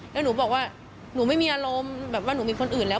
แล้วหนูบอกว่าหนูไม่มีอารมณ์แบบว่าหนูมีคนอื่นแล้ว